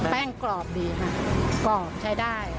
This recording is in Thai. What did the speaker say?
กรอบดีค่ะกรอบใช้ได้